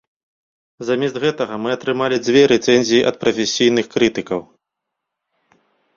Замест гэтага мы атрымалі дзве рэцэнзіі ад прафесійных крытыкаў.